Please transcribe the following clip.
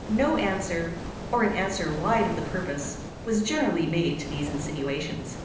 No answer, or an answer wide of the purpose, was generally made to these insinuations.